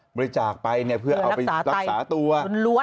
บริจาคไปเนี่ยเพื่อเอาไปรักษาตัวรักษาไตล้วน